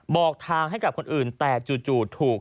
บอกทางให้กับคนอื่นแต่จู่ถูก